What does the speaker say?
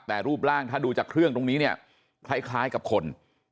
แต่รูปร่างถ้าดูจากเครื่องตรงนี้เนี่ยคล้ายกับคน